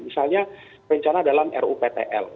misalnya rencana dalam ruptl